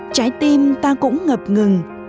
trái tim ta cũng ngập ngừng